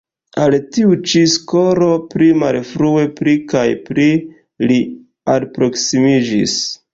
Al tiu ĉi skolo pli malfrue pli kaj pli li alproksimiĝis.